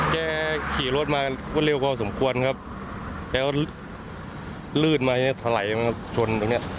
แกขี่รถมาก็เร็วพอสมควรครับแล้วลืดมาทะไหลมันชนตรงเนี้ย